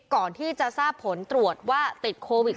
ก่อนที่จะทราบผลตรวจว่าติดโควิด๑